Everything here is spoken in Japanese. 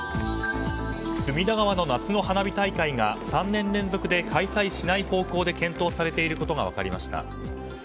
隅田川の夏の花火大会が３年連続で開催しない方向で検討されていることが分かりました。